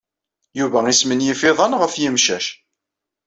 Yuba ismenyif iḍan ɣef yimcac.